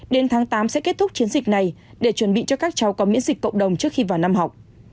đến tháng tám sẽ kết thúc chiến dịch này để chuẩn bị cho các cháu có miễn dịch cộng đồng trước khi vào năm học